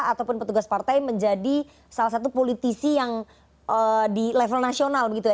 ataupun petugas partai menjadi salah satu politisi yang di level nasional begitu ya